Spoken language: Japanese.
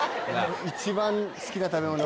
一番好きな食べ物は。